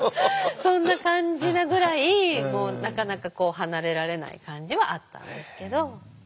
そんな感じなぐらいなかなかこう離れられない感じはあったんですけど。